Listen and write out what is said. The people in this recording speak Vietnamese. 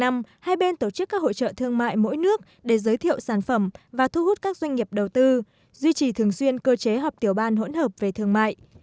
mỗi nước để giới thiệu sản phẩm và thu hút các doanh nghiệp đầu tư duy trì thường xuyên cơ chế hợp tiểu ban hỗn hợp về thương mại